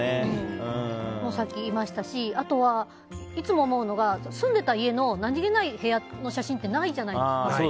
さっきいましたしあとは、いつも思うのが住んでた家の何気ない部屋の写真ってないじゃないですか。